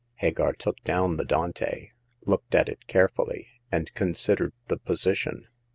Hagar took down the Dante, looked at it carefully, and considered the position.